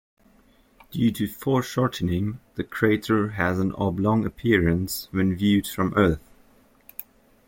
Due to foreshortening, the crater has an oblong appearance when viewed from Earth.